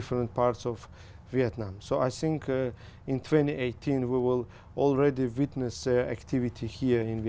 và họ sẽ trả lời cho anh với nhiều tốt hơn